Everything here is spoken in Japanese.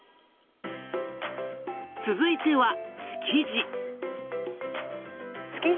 続いては、築地。